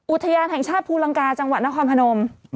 อุทยานแห่งชาติภูลังกาจังหวัดนครพนม